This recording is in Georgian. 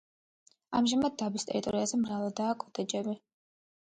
ამჟამად დაბის ტერიტორიაზე მრავლადაა კოტეჯები.